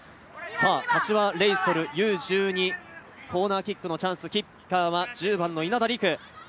柏レイソルＵー１２、コーナーキックのチャンス、キッカーは稲田凌久。